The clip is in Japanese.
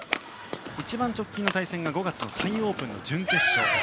一番直近の対決は５月のタイオープンの準決勝。